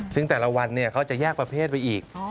ซึ่งแต่ละวันเขาจะแยกประเภทไปอีก